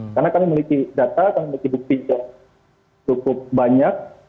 karena kami memiliki data kami memiliki bukti yang cukup banyak